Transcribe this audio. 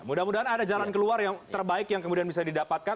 mudah mudahan ada jalan keluar yang terbaik yang kemudian bisa didapatkan